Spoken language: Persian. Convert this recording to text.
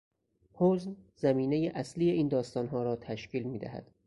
حزن زمینهی اصلی این داستانها را تشکیل میدهد.